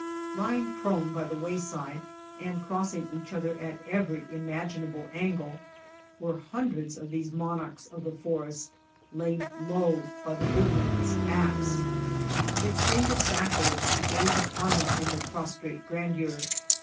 Lying prone by the wayside, and crossing each other at every imaginable angle were hundreds of these monarchs of the forest laid low by the woodman's axe. It seemed a sacrilege to gaze upon themi in their prostrate grandeur.